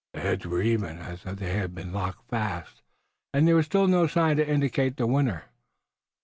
The heads were even, as if they had been locked fast, and there was still no sign to indicate the winner.